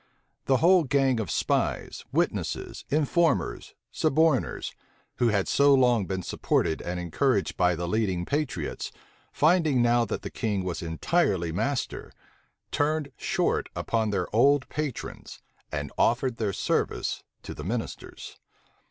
The whole gang of spies, witnesses, informers, suborners, who had so long been supported and encouraged by the leading patriots, finding now that the king was entirely master, turned short upon their old patrons and offered their service to the ministers.